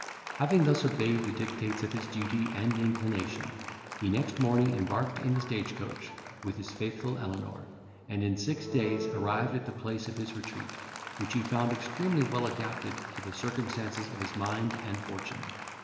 Having thus obeyed the dictates of his duty and inclination, he next morning embarked in the stage coach, with his faithful Elenor, and in six days arrived at the place of his retreat, which he found extremely well adapted to the circumstances of his mind and fortune.